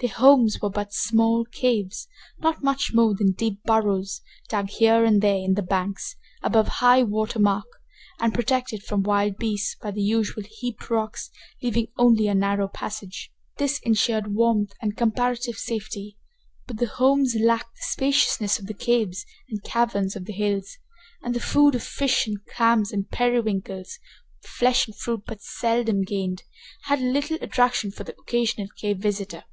Their homes were but small caves, not much more than deep burrows, dug here and there in the banks, above high water mark, and protected from wild beasts by the usual heaped rocks, leaving only a narrow passage. This insured warmth and comparative safety, but the homes lacked the spaciousness of the caves and caverns of the hills, and the food of fish and clams and periwinkles, with flesh and fruit but seldom gained, had little attraction for the occasional cave visitor.